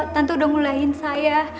tante udah ngulahin saya